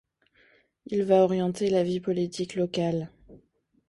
Il va orienter la vie politique locale.